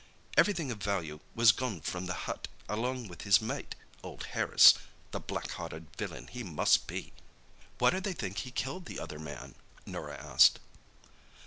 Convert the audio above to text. Everything of value was gone from the hut along with his mate, old Harris—the black hearted villain he must be!" "Why, do they think he killed the other man?" Norah asked.